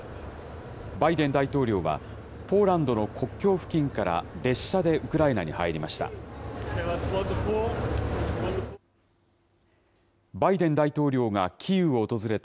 バイデン大統領は、ポーランドの国境付近から列車でウクライナに入りました。